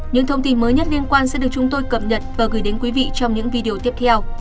những thông tin mới nhất liên quan sẽ được chúng tôi cập nhật và gửi đến quý vị trong những video tiếp theo